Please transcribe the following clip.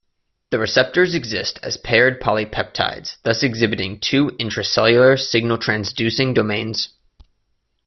The receptors exist as paired polypeptides, thus exhibiting two intracellular signal-transducing domains.